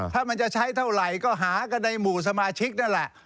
ถ้ามันจะใช้เท่าไหร่ก็หากันในหมู่สมาชิกนั่นแหละ